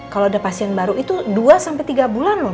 kalau ada pasien baru itu dua sampai tiga bulan loh